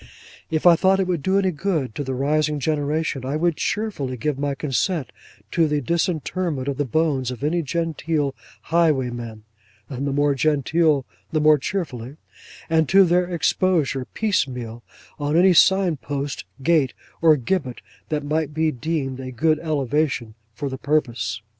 If I thought it would do any good to the rising generation, I would cheerfully give my consent to the disinterment of the bones of any genteel highwayman (the more genteel, the more cheerfully), and to their exposure, piecemeal, on any sign post, gate, or gibbet, that might be deemed a good elevation for the purpose.